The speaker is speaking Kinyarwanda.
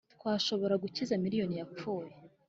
'twashobora gukiza miliyoni yapfuye.